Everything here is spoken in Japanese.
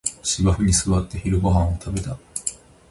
芝生に座って昼ごはんを食べた